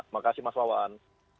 terima kasih mas lawan